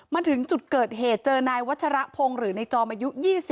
มาถึงจุดเกิดเหตุเจอนายวัชรพงศ์หรือในจอมอายุ๒๐